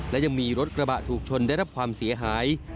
และยังมีรถกระบะถูกชนได้รับความเสียหาย